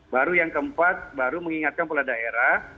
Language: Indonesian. baru yang keempat baru mengingatkan kepala daerah